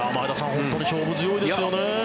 本当に勝負強いですよね。